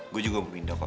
gue juga mau pindah kok